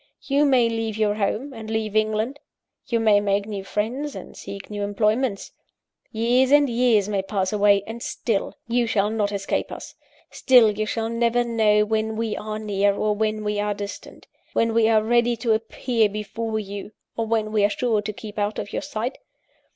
You may leave your home, and leave England; you may make new friends, and seek new employments; years and years may pass away and still, you shall not escape us: still, you shall never know when we are near, or when we are distant; when we are ready to appear before you, or when we are sure to keep out of your sight.